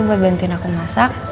bisa bantuin aku masak